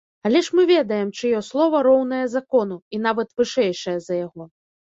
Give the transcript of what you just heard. Але ж мы ведаем, чыё слова роўнае закону і нават вышэйшае за яго.